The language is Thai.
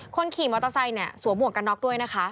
คนขี่มอเตอร์ไสต์นะสวมวัวกกัะน็อกด้วยนะคะ